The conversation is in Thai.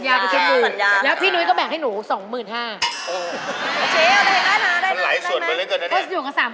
อยึกสัญญาแล้วพี่นุ้ยก็แบ่งให้หนูสองหมื่นห้า